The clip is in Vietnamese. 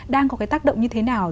đang có cái tác động như thế nào